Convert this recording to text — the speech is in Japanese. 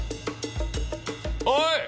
おい！